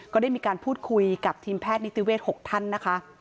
ก็ได้มีการพูดคุยกับทีมแพทย์นิติเวศ๖ท่านนะคะ